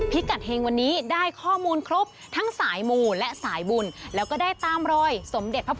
พิกัดเห็งวันนี้ได้ข้อมูลครบ